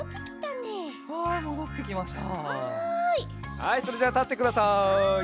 はいそれじゃあたってください。